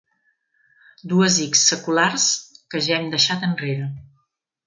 Dues ics seculars que ja em deixat enrere.